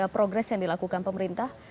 progres yang dilakukan pemerintah